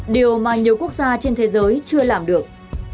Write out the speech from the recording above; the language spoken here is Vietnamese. điều mà nhiều quốc gia trên thế giới chưa làm được